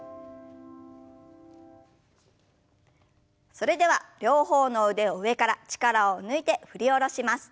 それでは両方の腕を上から力を抜いて振り下ろします。